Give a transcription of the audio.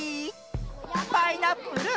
パイナップル。